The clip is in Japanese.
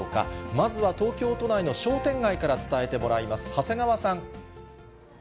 まずは東京都内の商店街から伝えてもらいます。